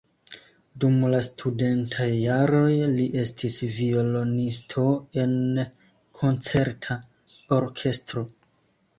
Dum la studentaj jaroj li estis violonisto en koncerta orkestro.